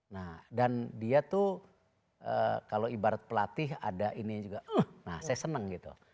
nah dan dia tuh kalau ibarat pelatih ada ini juga nah saya senang gitu